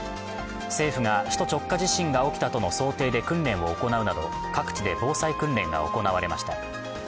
政府が首都直下型地震が起きたとの想定で訓練を行うなど、各地で防災訓練が行われました。